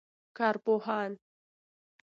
کارپوهان